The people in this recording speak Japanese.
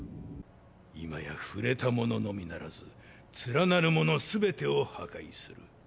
今や触れたもののみならず連なるもの全てを破壊する。